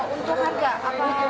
untuk harga apa